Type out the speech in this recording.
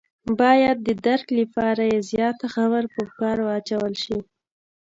باید د درک لپاره یې زیات غور په کار واچول شي.